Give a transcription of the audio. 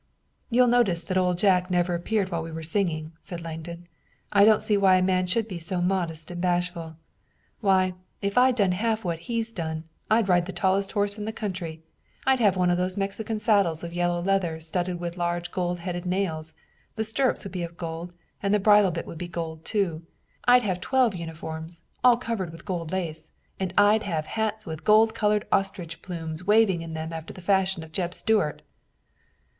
"You'll notice that Old Jack never appeared while we were singing," said Langdon. "I don't see why a man should be so modest and bashful. Why, if I'd done half what he's done I'd ride the tallest horse in the country; I'd have one of those Mexican saddles of yellow leather studded with large golden headed nails; the stirrups would be of gold and the bridle bit would be gold, too. I'd have twelve uniforms all covered with gold lace, and I'd have hats with gold colored ostrich plumes waving in them after the fashion of Jeb Stuart."